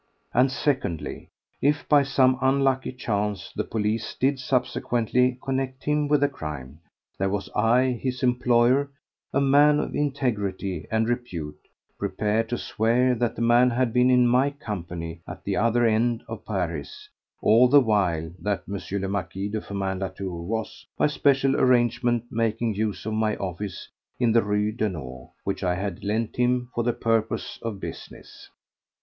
And secondly, if by some unlucky chance the police did subsequently connect him with the crime, there was I, his employer, a man of integrity and repute, prepared to swear that the man had been in my company at the other end of Paris all the while that M. le Marquis de Firmin Latour was, by special arrangement, making use of my office in the Rue Daunou, which I had lent him for purposes of business.